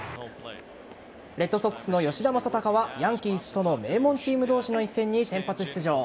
レッドソックスの吉田正尚はヤンキースとの名門チーム同士の一戦に先発出場。